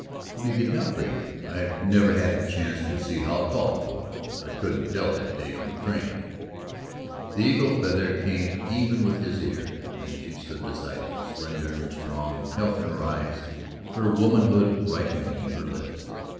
"Will you get down, Grace? I've never had a chance to see how tall you are I couldn't tell that day on the train." The eagle feather came even with his ear when she stood beside him, slender and strong, health in her eyes, her womanhood ripening in her lips.